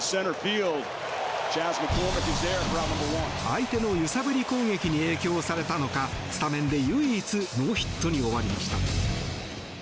相手の揺さぶり攻撃に影響されたのかスタメンで唯一ノーヒットに終わりました。